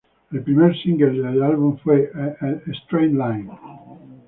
El primer single del álbum fue A Straight Line.